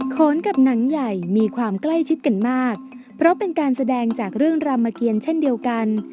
โขนกับหนังใหญ่มีความใกล้ชิดกันมากเพราะเป็นการแสดงจากเรื่องรามเกียรเช่นเดียวกัน